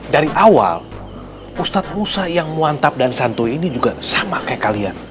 dari awal ustaz musa yang muantap dan santui ini juga sama kayak kalian